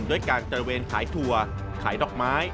ด้วยการตระเวนขายถั่วขายดอกไม้